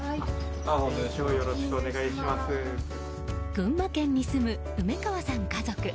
群馬県に住む梅川さん家族。